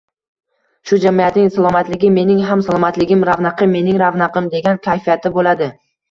shu jamiyatning salomatligi mening ham salomatligim, ravnaqi – mening ravnaqim», degan kayfiyatda bo‘ladi.